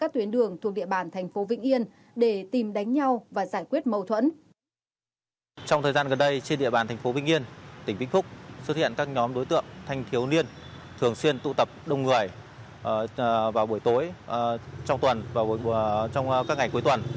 trong thời gian gần đây trên địa bàn thành phố vĩnh yên tỉnh vĩnh phúc xuất hiện các nhóm đối tượng thanh thiếu niên thường xuyên tụ tập đông người vào buổi tối trong tuần vào các ngày cuối tuần